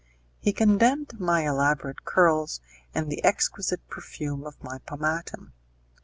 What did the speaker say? He condemned my elaborate curls, and the exquisite perfume of my pomatum.